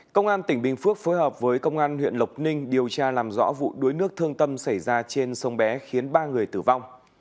công an tỉnh bình phước phối hợp với công an huyện lộc ninh điều tra làm rõ vụ đuối nước thương tâm xảy ra trên sông bé khiến ba người tử vong